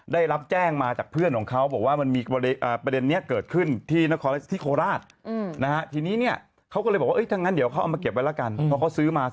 ได้รับแจ้งมาจากเพื่อนของเขา